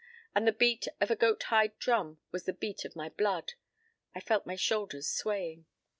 And the beat of a goat hide drum was the beat of my blood. I felt my shoulders swaying.